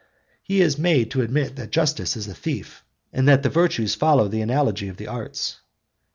He is made to admit that justice is a thief, and that the virtues follow the analogy of the arts.